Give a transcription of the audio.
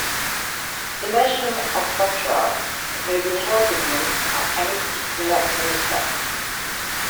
The motion of censure may be for the whole government or any particular minister.